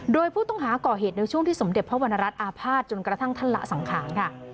โดยผู้ต้องหาก่อเหตุในช่วงที่สมเด็จพระวรรณรัฐอาภาษณจนกระทั่งท่านละสังขารค่ะ